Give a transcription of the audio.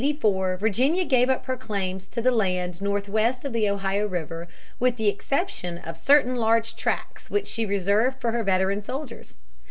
In 1784 Virginia gave up her claims to the land northwest of the Ohio River with the exception of certain large tracts which she reserved for her veteran soldiers.